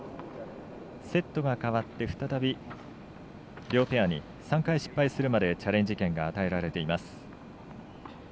セットが変わって、再び両ペアに３回失敗するまでチャレンジ権が与えられています。